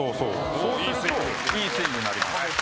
そうするといいスイングになります。